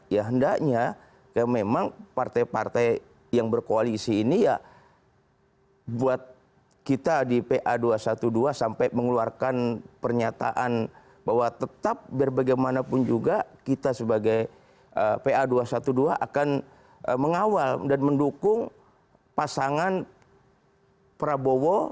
ya hendaknya memang partai partai yang berkoalisi ini ya buat kita di pa dua ratus dua belas sampai mengeluarkan pernyataan bahwa tetap berbagai manapun juga kita sebagai pa dua ratus dua belas akan mengawal dan mendukung pasangan prabowo